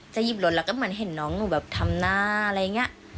หยิบรถแล้วก็เหมือนเห็นน้องหนูแบบทำหน้าอะไรอย่างนี้